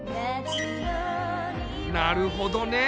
なるほどね。